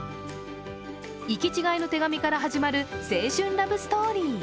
行き違いの手紙から始まる青春ラブストーリー。